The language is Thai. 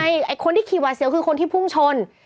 ไอ้คนที่ขี่หวาดเสียวคือคนที่พุ่งชน